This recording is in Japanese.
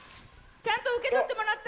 ちゃんと受け取ってもらった？